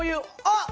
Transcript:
あっ。